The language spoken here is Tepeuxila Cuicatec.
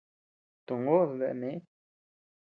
Tumgoʼos dae neʼe.